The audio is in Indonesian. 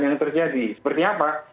yang terjadi seperti apa